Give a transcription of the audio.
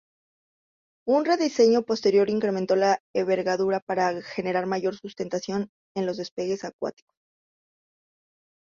Un rediseño posterior, incrementó la envergadura para generar mayor sustentación en los despegues acuáticos.